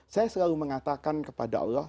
saya selalu mengatakan kepada allah